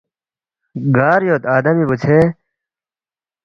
گار یود آدمی بُوژھے؟